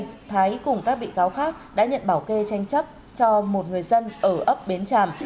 nguyễn thái cùng các bị cáo khác đã nhận bảo kê tranh chấp cho một người dân ở ấp bến tràm